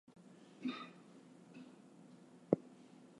They declined because of her affiliation to Electro.